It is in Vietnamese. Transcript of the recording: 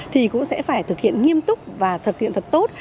thì cũng sẽ phải thực hiện nghiêm túc và thực hiện thật tốt